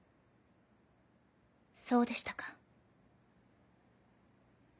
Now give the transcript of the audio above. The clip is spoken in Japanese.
そうでしたか。